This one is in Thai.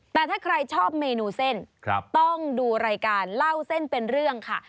แต่ถ้าใครชอบเมนูเส้นต้องดูรายการเล่าเส้นเป็นเรื่องค่ะ